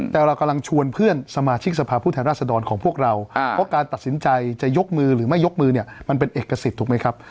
แต่เรากำลังชวนเพื่อนสมาชิกสภาพผู้แทนราชดรของพวกเราเพราะการตัดสินใจจะยกมือหรือไม่ยกมือเนี่ยมันเป็นเอกสิทธิ์ถูกไหมครับ